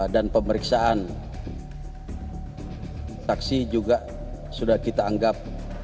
pemeriksaan taksi juga sudah kita anggap